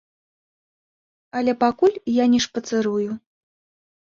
Але пакуль я не шпацырую.